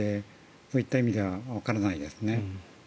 そういった意味ではわからないですね。